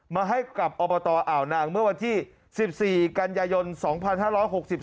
มาให้กับอบตอ่าวนางเมื่อวันที่๑๔กันยายน๒๕๖๒